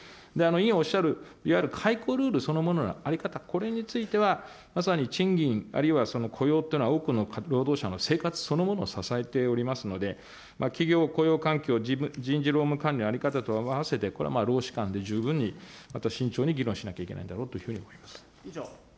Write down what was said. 委員おっしゃる、いわゆる解雇ルールそのものの在り方、これについては、まさに賃金、あるいは雇用っていうのは多くの労働者の生活そのものを支えておりますので、企業雇用環境、人事労務管理の在り方等とあわせて、これは労使間で十分に、また慎重に議論しなきゃいけないんだろうというふうに思います。